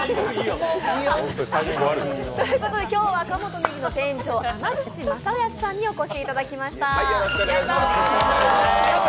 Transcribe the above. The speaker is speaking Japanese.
今日は鴨ｔｏ葱の店長天土真康さんにお越しいただきました。